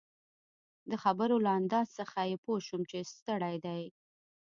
د خبرو له انداز څخه يې پوه شوم چي ستړی دی.